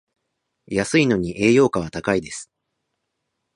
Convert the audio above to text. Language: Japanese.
安いのに栄養価は高いです